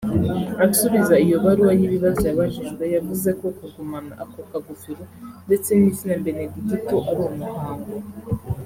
Asubiza iyo baruwa y’ibibazo yabajijwe yavuze ko kugumana ako kagofero ndetse n’izina Benedigito ari umuhango